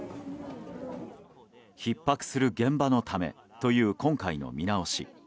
ひっ迫する現場のためという今回の見直し。